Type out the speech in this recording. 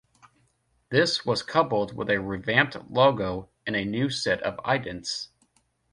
This was coupled with a revamped logo and a new set of idents.